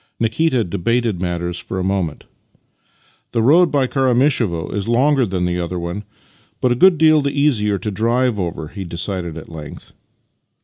Nikita debated matters for a moment. " The road by Karamishevo is longer than the other one, but a good deal the easier to drive over," he decided at length.